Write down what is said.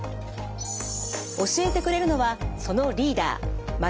教えてくれるのはそのリーダー松延毅さん。